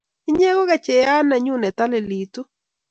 inye ko kechayet ne nyun ne talilitu